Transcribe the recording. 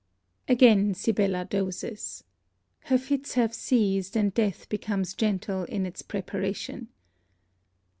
Again Sibella doses. Her fits have ceased, and death becomes gentle in its preparation.